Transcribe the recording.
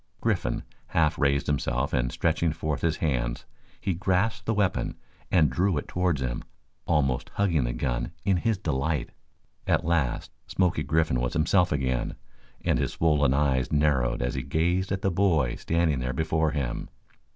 Griffin half raised himself and stretching forth his hands he grasped the weapon and drew it towards him, almost hugging the gun in his delight. At last Smoky Griffin was himself again, and his swollen eyes narrowed as he gazed at the boy standing there before him.